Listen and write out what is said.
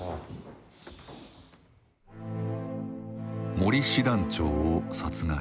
森師団長を殺害。